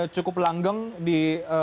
cukup langgeng di